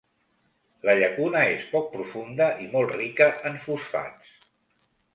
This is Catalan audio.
La llacuna és poc profunda i molt rica en fosfats.